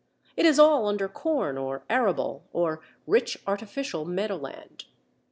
It is all under corn or arable, or rich artificial meadowland.